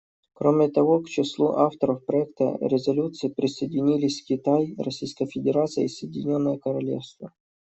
Кроме того, к числу авторов проекта резолюции присоединились Китай, Российская Федерация и Соединенное Королевство.